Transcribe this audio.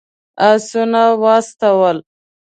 آسونه واستول.